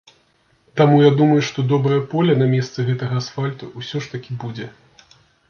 Таму я думаю, што добрае поле на месцы гэтага асфальту ўсё ж такі будзе.